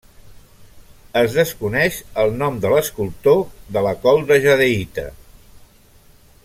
Es desconeix el nom de l'escultor de la Col de jadeïta.